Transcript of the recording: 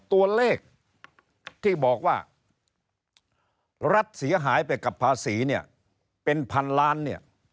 ตัวเลขที่บอกว่ารัฐเสียหายไปกับภาษีเนี่ยเป็นพันล้านเนี่ย